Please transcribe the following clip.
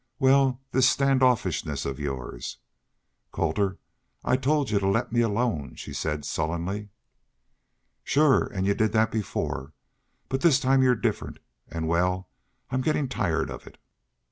"Wal, this stand offishness of yours?" "Colter, I told y'u to let me alone," she said, sullenly. "Shore. An' y'u did that before. But this time y'u're different.... An' wal, I'm gettin' tired of it."